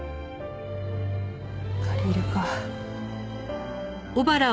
借り入れか。